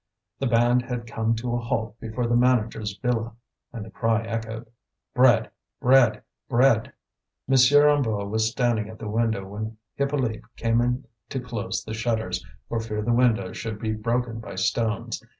The band had come to a halt before the manager's villa, and the cry echoed: "Bread! bread! bread!" M. Hennebeau was standing at the window when Hippolyte came in to close the shutters, for fear the windows should be broken by stones.